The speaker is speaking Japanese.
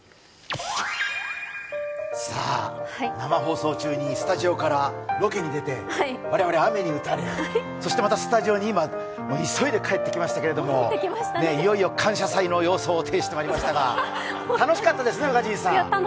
さぁ、生放送中にスタジオからロケに出て、我々、雨に打たれ、そしてまたスタジオに今、急いで帰ってきましたけれども、いよいよ「感謝祭」の様相を呈してきましたが、楽しかったですね、宇賀神さん。